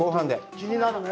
気になるね。